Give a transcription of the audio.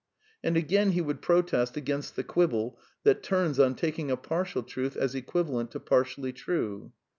And again he would protest against the quibble that turns on td^ing a partial truth as equivalent to par tially true.